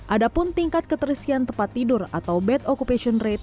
adapun tingkat keterisian tepat tidur atau bed occupation rate